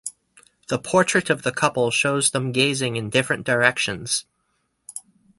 The portrait of the couple shows them gazing in different directions.